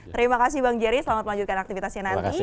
terima kasih bang jerry selamat melanjutkan aktivitasnya nanti